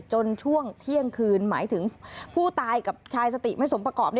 ช่วงเที่ยงคืนหมายถึงผู้ตายกับชายสติไม่สมประกอบ